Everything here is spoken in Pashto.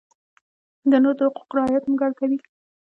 د نورو د حقوقو رعایت موږ اړ کوي.